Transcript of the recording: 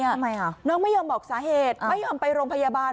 ทำไมอ่ะน้องไม่ยอมบอกสาเหตุไม่ยอมไปโรงพยาบาล